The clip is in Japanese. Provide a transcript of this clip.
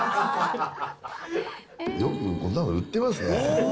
よくこんなの売ってますね。